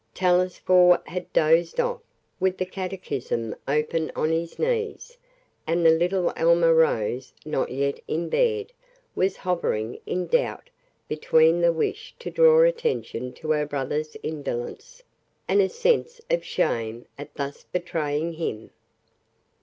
Telesphore had dozed off with the catechism open on his knees, and the little Alma Rose, not yet in bed, was hovering in doubt between the wish to draw attention to her brother's indolence, and a sense of shame at thus betraying him.